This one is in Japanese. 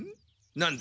なんだ？